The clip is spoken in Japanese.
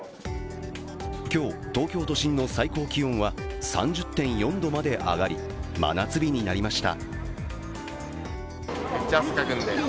今日、東京都心の最高気温は３０．４度まで上がり真夏日になりました。